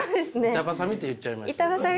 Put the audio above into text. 板挟みって言っちゃいましたね。